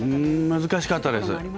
難しかったですね